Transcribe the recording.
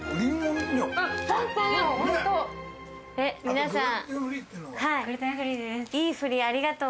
皆さん。